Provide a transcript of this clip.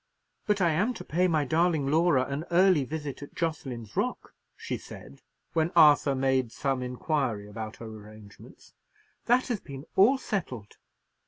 "But I am to pay my darling Laura an early visit at Jocelyn's Rock," she said, when Arthur made some inquiry about her arrangements; "that has been all settled."